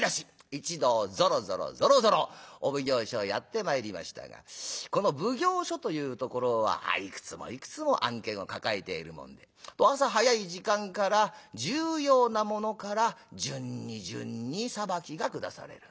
一同ぞろぞろぞろぞろお奉行所へやって参りましたがこの奉行所というところはいくつもいくつも案件を抱えているもので朝早い時間から重要なものから順に順に裁きが下される。